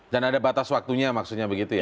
dan ada batas waktunya maksudnya begitu ya